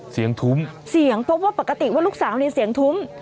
เสียงทุ้มเพราะว่าปกติว่าลูกสาวนี่เสียงทุ้ม